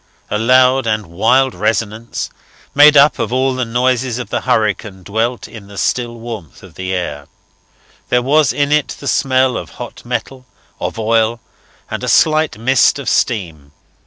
A loud and wild resonance, made up of all the noises of the hurricane, dwelt in the still warmth of the air. There was in it the smell of hot metal, of oil, and a slight mist of steam.